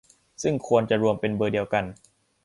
ซึ่งควรจะรวมเป็นเบอร์เดียว